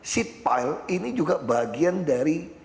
seat pile ini juga bagian dari